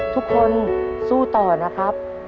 ทุกคนสู้ต่อนะครับ